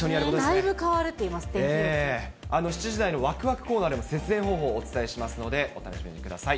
だいぶ変わるっていいます、７時台のわくわくコーナーでも節電方法をお伝えしますので、お楽しみにしてください。